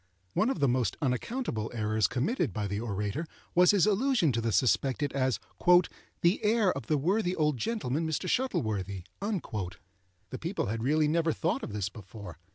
One of the most unaccountable errors committed by the orator was his allusion to the suspected as "the heir of the worthy old gentleman Mr. Shuttleworthy." The people had really never thought of this before.